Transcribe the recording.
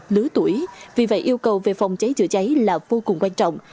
lứa tuổi vì vậy yêu cầu về phòng cháy chữa cháy là vô cùng quan trọng